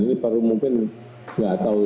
ini perlu mungkin disampaikan kepada publik